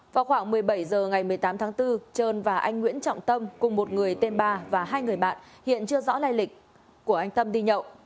vào khoảng một mươi bảy h ngày một mươi tám tháng bốn trơn và anh nguyễn trọng tâm cùng một người tên ba và hai người bạn hiện chưa rõ lây lịch của anh tâm đi nhậu